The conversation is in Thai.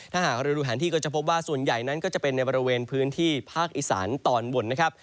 ถ้าหากเราดูแผนที่ก็จะพบว่าส่วนใหญ่นั้นก็จะเป็นในบริเวณพื้นที่ภาคอีสานตอนบนนะครับ